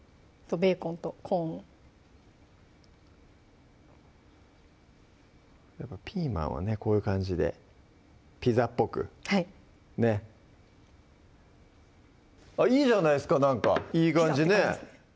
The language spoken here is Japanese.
ベーコンとコーンをピーマンはねこういう感じでピザっぽくはいいいじゃないですかなんかいい感じね